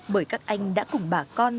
bởi các anh đã cùng bà con